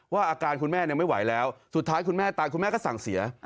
อาการคุณแม่ไม่ไหวแล้วสุดท้ายคุณแม่ตายคุณแม่ก็สั่งเสีย